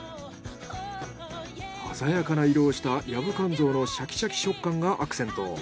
鮮やかな色をしたヤブカンゾウのシャキシャキ食感がアクセント。